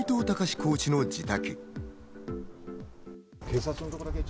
コーチの自宅。